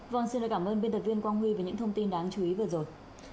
vâng xin lỗi cảm ơn biên tập viên quang huy về những thông tin đáng chú ý vừa rồi